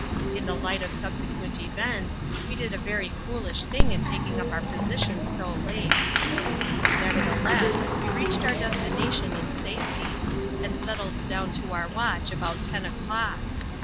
In the light of subsequent events, we did a very foolish thing in taking up our position so late; nevertheless, we reached our destination in safety, and settled down to our watch about ten o'clock.